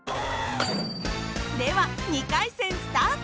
では２回戦スタート！